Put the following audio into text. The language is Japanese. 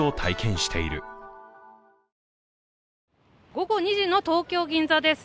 午後２時の東京・銀座です。